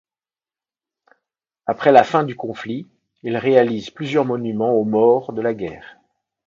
Après la fin du conflit, il réalise plusieurs monuments aux morts de la guerre.